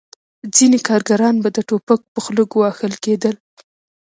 ځینې کارګران به د ټوپک په خوله ګواښل کېدل